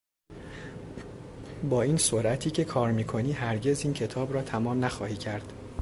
با این سرعتی که کار میکنی هرگز این کتاب را تمام نخواهی کرد.